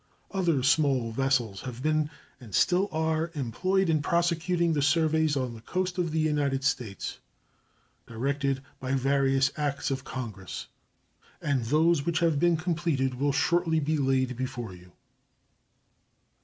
Other smaller vessels have been and still are employed in prosecuting the surveys of the coast of the United States directed by various acts of Congress, and those which have been completed will shortly be laid before you.